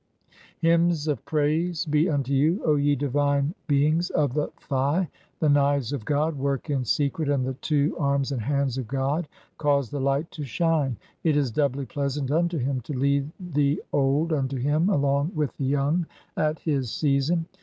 "Hymns of praise be unto you, O ye divine beings of the "Thigh, (12) the knives of God [work] in secret, and the two "arms and hands of God cause the light to shine ; it is doubly "pleasant unto him to lead the (i3) old unto him along with "the young at his season.